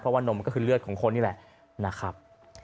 เพราะว่านมก็คือเลือดของคนนี่แหละนะครับ